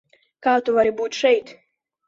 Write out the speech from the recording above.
Kā tu vari būt šeit?